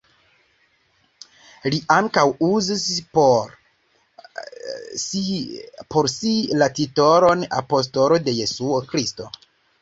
Li ankaŭ uzis por si la titolon apostolo de Jesuo Kristo.